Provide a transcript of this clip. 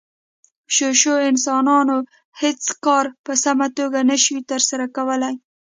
شو شو انسانان هېڅ کار په سمه توګه نشي ترسره کولی.